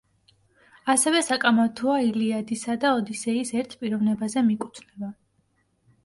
ასევე საკამათოა ილიადისა და ოდისეის ერთ პიროვნებაზე მიკუთვნება.